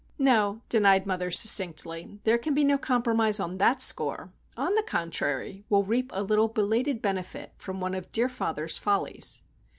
"No," denied mother, succinctly. "There can be no compromise on that score. On the contrary, we'll reap a little belated benefit from one of dear father's follies."